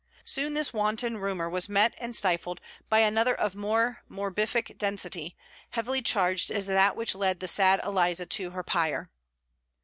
Soon this wanton rumour was met and stifled by another of more morbific density, heavily charged as that which led the sad Eliza to her pyre.